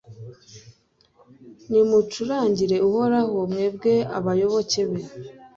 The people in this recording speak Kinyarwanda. Nimucurangire Uhoraho mwebwe abayoboke be